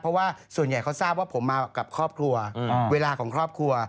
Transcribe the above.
เพราะว่าส่วนใหญ่เขาทราบว่าผมมากับครอบครัวเวลาของครอบครัว